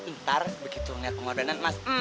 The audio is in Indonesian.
ntar begitu nggak kemurahan mas